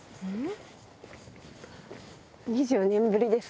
２４年ぶりです。